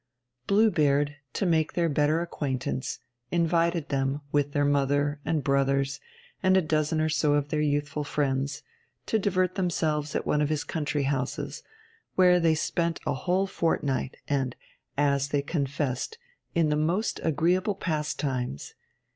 Blue Beard, to make their better acquaintance, invited them, with their mother and brothers and a dozen or so of their youthful friends, to divert themselves at one of his country houses, where they spent a whole fortnight, and (as they confessed) in the most agreeable pastimes.